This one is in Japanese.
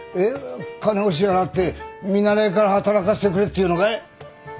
金を支払って見習いから働かせてくれっていうのかい？